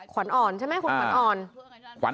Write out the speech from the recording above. ขวรอ่อนใช่มั้ยคุณขวรอ่อน